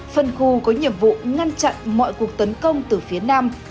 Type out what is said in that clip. phân khu có nhiệm vụ ngăn chặn mọi cuộc tấn công từ phía nam